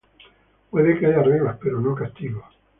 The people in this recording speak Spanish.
Puede que haya reglas pero no castigos.